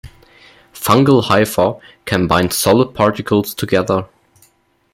Fungal hyphae can bind soil particles together.